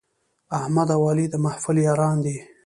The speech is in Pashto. احمد او علي د محفل یاران دي.